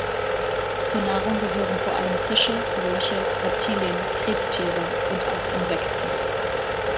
Zur Nahrung gehören vor allem Fische, Lurche, Reptilien, Krebstiere und auch Insekten.